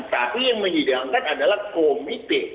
tapi yang menyidangkan adalah komite